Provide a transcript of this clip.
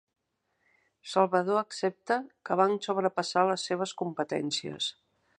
Salvador accepta que van sobrepassar les seves competències